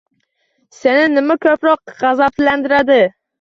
Seni nima ko‘proq g‘azablantiradi?